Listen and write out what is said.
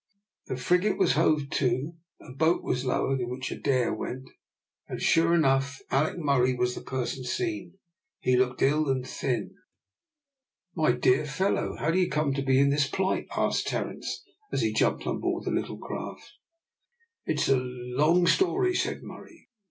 The frigate was hove to, a boat was lowered, in which Adair went; and sure enough, Alick Murray was the person seen. He looked ill and thin. "My dear fellow, how do you come to be this in plight?" asked Terence, as he jumped on board the little craft. "It's a long story," said Murray.